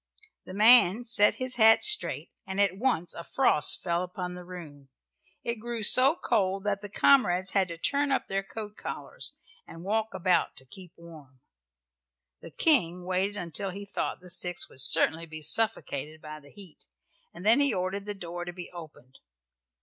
The man set his hat straight and at once a frost fell upon the room. It grew so cold that the comrades had to turn up their coat collars and walk about to keep warm. The King waited until he thought the six would certainly be suffocated by the heat, and then he ordered the door to be opened.